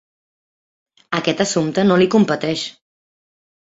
Aquest assumpte no li competeix.